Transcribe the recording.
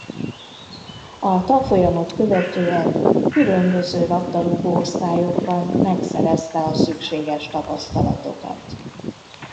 A tanfolyamot követően különböző labdarúgó osztályokban megszerezte a szükséges tapasztalatokat.